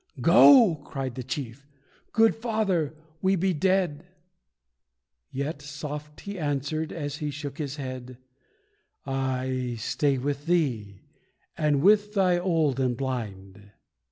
"Go!" cried the chief, "good father we be dead!" Yet soft he answered as he shook his head: "I stay with thee and with thy old and blind."